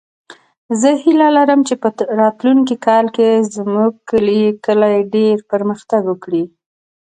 زه هیله لرم چې په راتلونکې کال کې زموږ کلی ډېر پرمختګ وکړي